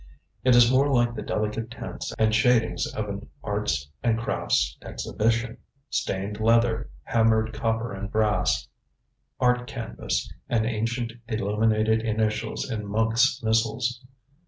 It is more like the delicate tints and shadings of an arts and crafts exhibition, stained leather, hammered copper and brass, art canvas, and ancient illuminated initials in monks' missals.